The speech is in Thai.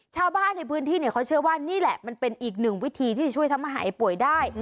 ชาวบ้านในพื้นที่เนี่ยเขาเชื่อว่านี่แหละมันเป็นอีกหนึ่งวิธีที่จะช่วยทำให้หายป่วยได้